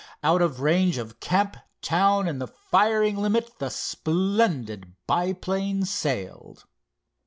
Out of range of camp, town and the firing limit the splendid biplane sailed.